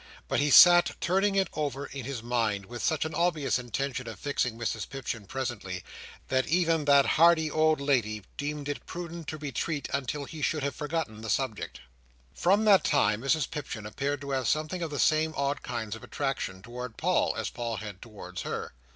But he sat turning it over in his mind, with such an obvious intention of fixing Mrs Pipchin presently, that even that hardy old lady deemed it prudent to retreat until he should have forgotten the subject. From that time, Mrs Pipchin appeared to have something of the same odd kind of attraction towards Paul, as Paul had towards her.